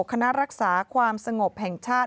คณะรักษาความสงบแห่งชาติ